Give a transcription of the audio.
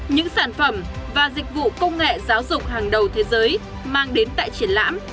những sản phẩm và dịch vụ công nghệ giáo dục hàng đầu thế giới mang đến tại triển lãm